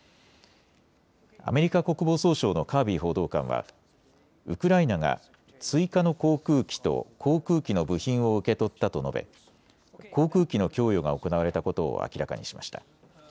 アメリカ国防総省のカービー報道官はウクライナが追加の航空機と航空機の部品を受け取ったと述べ航空機の供与が行われたことを明らかにしました。